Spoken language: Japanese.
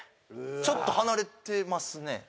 ちょっと離れてますね？